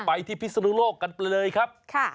ไปที่พิศนุโลกกันไปเลยครับ